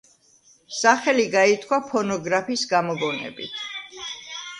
სახელი გაითქვა ფონოგრაფის გამოგონებით.